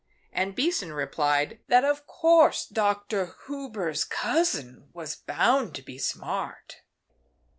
And Beason replied that of course Dr. Hubers' cousin was bound to be smart.